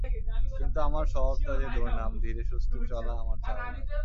কিন্তু আমার স্বভাবটা যে দুর্দাম, ধীরে সুস্থে চলা আমার চাল নয়।